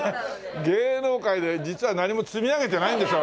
芸能界で実は何も積み上げてないんですよ